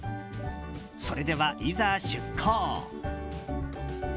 それでは、いざ出航。